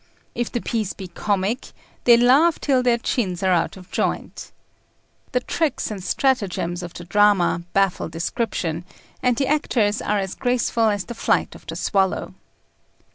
If the piece be comic they laugh till their chins are out of joint. The tricks and stratagems of the drama baffle description, and the actors are as graceful as the flight of the swallow.